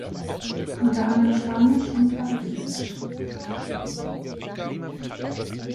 Unter anderem Spanisch und Portugiesisch.